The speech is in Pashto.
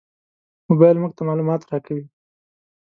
موبایل موږ ته معلومات راکوي.